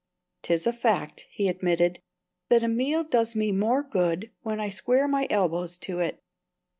"'Tis a fact," he admitted, "that a meal does me more good when I square my elbows to it."